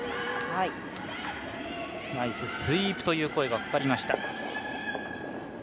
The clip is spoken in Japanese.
ナイススイープという声がかかりました。